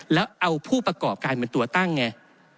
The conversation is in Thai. แล้วเอาผู้ประกอบการเป็นตัวตั้งไง